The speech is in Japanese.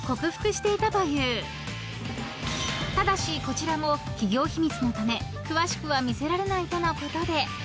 ［ただしこちらも企業秘密のため詳しくは見せられないとのことで］